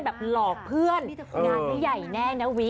หลอกเพื่อนงานไม่ใหญ่แน่นะวิ